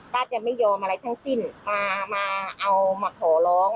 จะไม่ยอมอะไรทั้งสิ้นมาเอามาขอร้อง